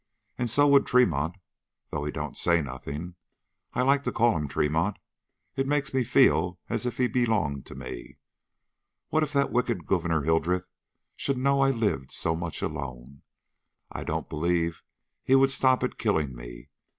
And so would Tremont, though he don't say nothing. I like to call him Tremont; it makes me feel as if he belonged to me. What if that wicked Gouverneur Hildreth should know I lived so much alone? I don't believe he would stop at killing me!